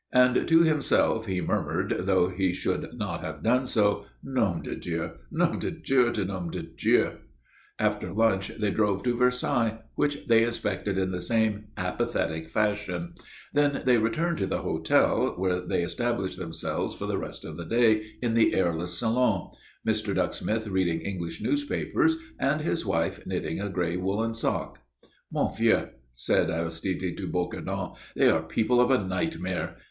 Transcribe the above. And to himself he murmured, though he should not have done so, "Nom de Dieu! Nom de Dieu de nom de Dieu!" After lunch they drove to Versailles, which they inspected in the same apathetic fashion; then they returned to the hotel, where they established themselves for the rest of the day in the airless salon, Mr. Ducksmith reading English newspapers and his wife knitting a grey woollen sock. "Mon vieux!" said Aristide to Bocardon, "they are people of a nightmare.